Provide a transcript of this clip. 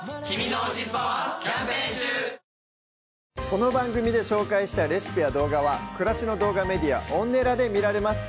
この番組で紹介したレシピや動画は暮らしの動画メディアＯｎｎｅｌａで見られます